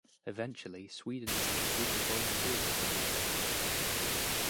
Eventually Sweden sent a group of volunteers to the war.